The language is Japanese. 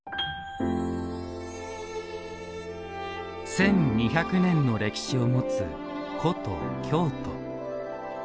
１，２００年の歴史を持つ古都京都。